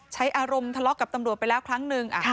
ใช้อารมณ์ทะเลาะกับตำรวจไปแล้วครั้งหนึ่ง